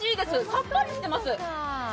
さっぱりしてます。